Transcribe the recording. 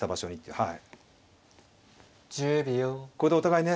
はい。